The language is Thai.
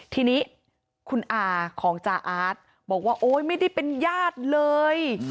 ทีนี้คุณอาของจาอาร์ตบอกว่าโอ๊ยไม่ได้เป็นญาติเลย